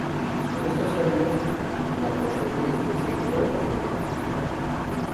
Con estos cambios, la presente especie quedó monotípica.